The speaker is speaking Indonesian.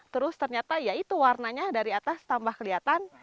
terus ternyata ya itu warnanya dari atas tambah kelihatan